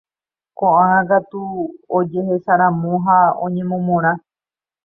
Ko'ág̃a katu ojehecharamo ha oñemomorã.